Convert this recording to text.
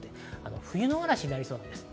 冬の嵐になりそうです。